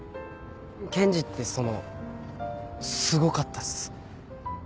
検事ってそのすごかったっす。